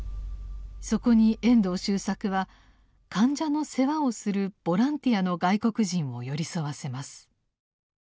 そこに遠藤周作は患者の世話をするボランティアの外国人を寄り添わせます。